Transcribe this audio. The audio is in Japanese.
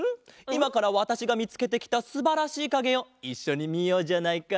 いまからわたしがみつけてきたすばらしいかげをいっしょにみようじゃないか。